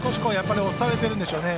押されているんでしょうね。